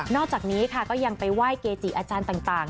อกจากนี้ค่ะก็ยังไปไหว้เกจิอาจารย์ต่าง